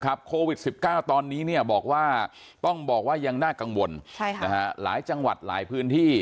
โควิด๑๙ตอนนี้เนี่ยบอกว่าต้องบอกว่ายังน่ากังวลหลายจังหวัดหลายพื้นที่